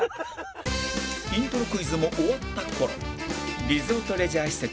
イントロクイズも終わった頃リゾートレジャー施設